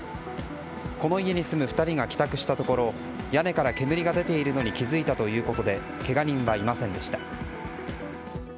この家に住む２人が帰宅したところ屋根から煙が出ているのに気づいたということでけが人はいませんでした。